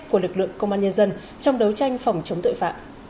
của lực lượng công an nhân dân trong đấu tranh phòng chống tội phạm